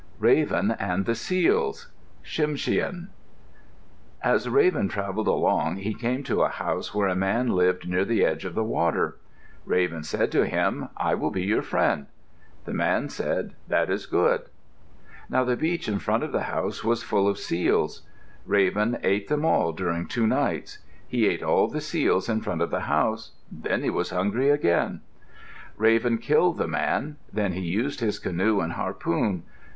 RAVEN AND THE SEALS Tsimshian As Raven travelled along, he came to a house where a man lived near the edge of the water. Raven said to him, "I will be your friend." The man said, "That is good." Now the beach in front of the house was full of seals. Raven ate them all during two nights. He ate all the seals in front of the house. Then he was hungry again. Raven killed the man. Then he used his canoe and harpoon.